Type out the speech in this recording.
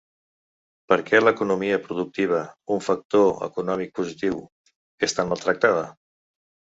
Per què l’economia productiva, un factor econòmic positiu, és tan maltractada?